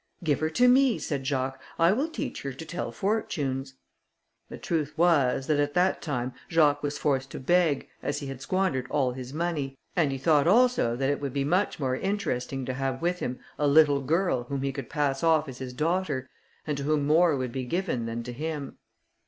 "Give her to me," said Jacques, "I will teach her to tell fortunes." The truth was, that at that time Jacques was forced to beg, as he had squandered all his money, and he thought also that it would be much more interesting to have with him a little girl whom he could pass off as his daughter, and to whom more would be given than to him.